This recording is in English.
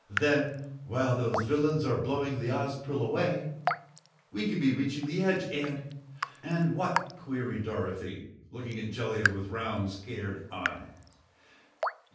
Then, while those villains are blowing the Ozpril away, we can be reaching the edge and " "And WHAT?" queried Dorothy, looking at Jellia with round, scared eyes.